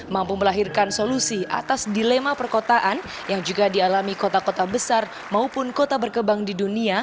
mampu melahirkan solusi atas dilema perkotaan yang juga dialami kota kota besar maupun kota berkebang di dunia